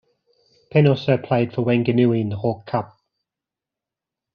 Penn also played for Wanganui in the Hawke Cup.